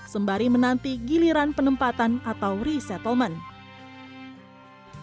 sembari menanti giliran penempatan atau resettlement